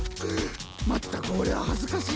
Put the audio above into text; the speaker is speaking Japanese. まったくオレははずかしいヤツよ。